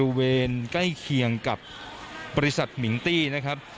บริเวณใกล้เคียงกับบริษัทมิงตี้นะครับ